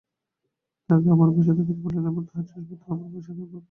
তাঁহাকে আমার বাসায় থাকিতে বলিলাম ও তাঁহার জিনিষপত্র আমার বাসায় আনাইব কিনা জিজ্ঞাসা করিলাম।